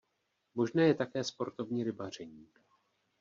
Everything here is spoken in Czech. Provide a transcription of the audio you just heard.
Možné je také sportovní rybaření.